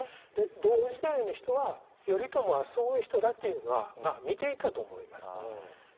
同時代の人は頼朝はそういう人だっていうのは見ていたと思います。